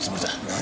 何！？